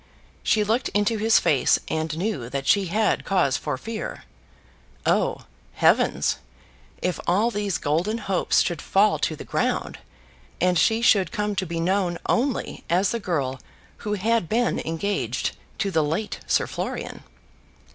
She looked into his face and knew that she had cause for fear. Oh, heavens! if all these golden hopes should fall to the ground, and she should come to be known only as the girl who had been engaged to the late Sir Florian!